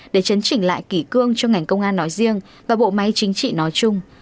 để chấn chỉnh lại kỷ cương cho ngành công an nói riêng và bộ máy chính trị nói chung